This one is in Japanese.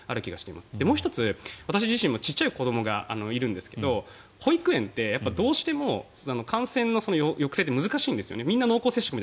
もう１つ、私自身も小さい子どもがいるんですが保育園ってどうしても感染の抑制って難しいんです。